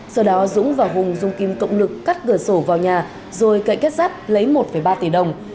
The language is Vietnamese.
sau đó dũng và hùng dùng kim cộng lực cắt cửa sổ vào nhà rồi cậy kết rắt lấy một ba tỷ đồng